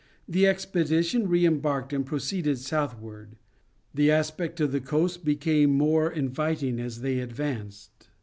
The expedition re embarked and proceeded southward. The aspect of the coast became more inviting as they advanced.